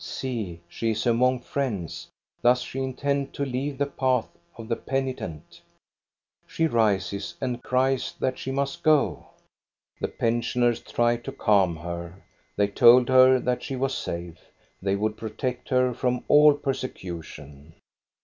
See, she is among friends ; does she intend to leave the path of the penitent? She rises and cries that she must go. The pensioners try to calm her. They told her that she was safe. They would protect her from all persecution.